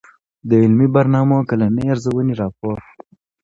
د علمي برنامو کلنۍ ارزوني راپور